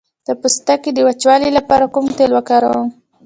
د پوستکي د وچوالي لپاره کوم تېل وکاروم؟